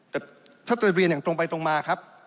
แต่ถ้าจะเรียนอย่างตรงไปตรงมาครับ